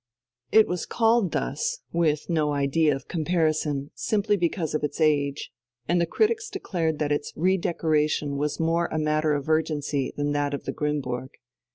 It was called thus, with no idea of comparison, simply because of its age, and the critics declared that its redecoration was more a matter of urgency than that of the Grimmburg.